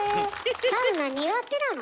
サウナ苦手なの？